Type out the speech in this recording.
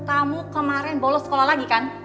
kamu kemarin bolos sekolah lagi kan